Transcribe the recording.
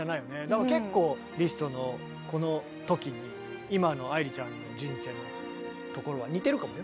だから結構リストのこの時に今の愛理ちゃんの人生のところは似てるかもよ。